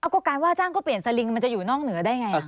ก็การว่าจ้างก็เปลี่ยนสลิงมันจะอยู่นอกเหนือได้ไง